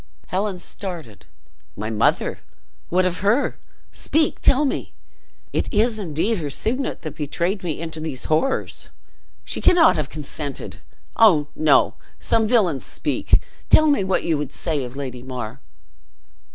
Helen started. "My mother! what of her? Speak! tell me! It is indeed her signet that betrayed me into these horrors. She cannot have consented! Oh, no! some villians speak! tell me what you would say of Lady Mar?"